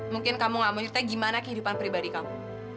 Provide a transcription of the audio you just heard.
mungkin kamu gak mau cerita gimana kehidupan pribadi kamu